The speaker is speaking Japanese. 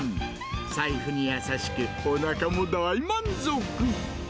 財布に優しく、おなかも大満足。